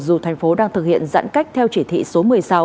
dù thành phố đang thực hiện giãn cách theo chỉ thị số một mươi sáu